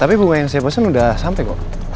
tapi bunga yang saya pesen udah sampai kok